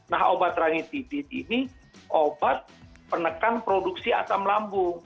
nah obat ranitibit ini obat penekan produksi asam lambung